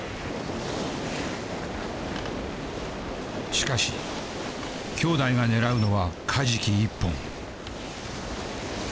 しかし兄弟が狙うのはカジキ一本。